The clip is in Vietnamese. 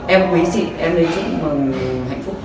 em quý vị em lấy chúc mừng hạnh phúc